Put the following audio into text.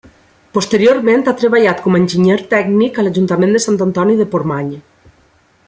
Posteriorment ha treballat com a enginyer tècnic a l'ajuntament de Sant Antoni de Portmany.